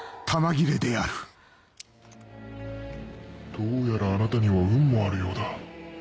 どうやらあなたには運もあるようだ。